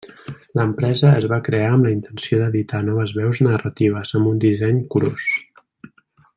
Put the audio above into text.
L'empresa es va crear amb la intenció d'editar noves veus narratives, amb un disseny curós.